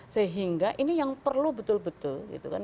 sehingga ini yang perlu betul betul gitu kan